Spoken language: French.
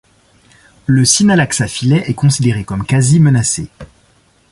Le Synallaxe à filets est considéré comme quasi-menacé.